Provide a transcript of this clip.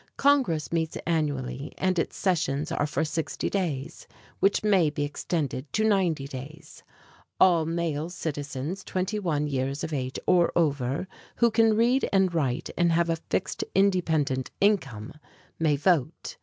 Congress meets annually and its sessions are for sixty days, which may be extended to ninety days. All male citizens twenty one years of age or over, who can read and write and have a fixed independent income, may vote.